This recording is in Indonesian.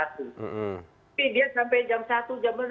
tapi dia sampai jam satu jam lima